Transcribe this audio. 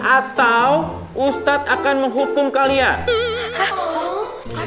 atau ustadz akan menghukum kalian